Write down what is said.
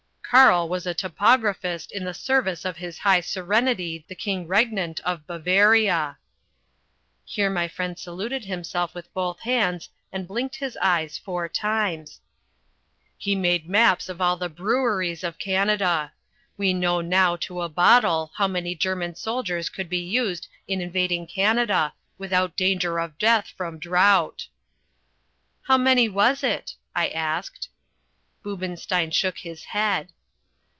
"Karl was a topographist in the service of his High Serenity the King Regnant of Bavaria" here my friend saluted himself with both hands and blinked his eyes four times "He made maps of all the breweries of Canada. We know now to a bottle how many German soldiers could be used in invading Canada without danger of death from drought." "How many was it?" I asked. Boobenstein shook his head.